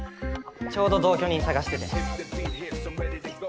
ちょうど同居人探してて。